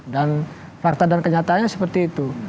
dan fakta dan kenyataannya seperti itu